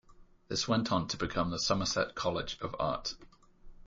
This went on to become the Somerset College of Art.